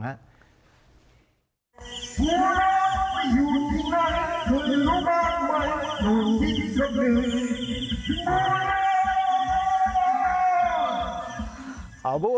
ผู้รักอยู่ที่ไหนคุณรู้มากมายคุณพี่สำนึกผู้รัก